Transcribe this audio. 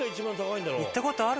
行ったことある？